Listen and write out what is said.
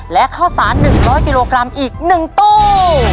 และข้าวสาร๑๐๐กิโลกรัมอีก๑ตู้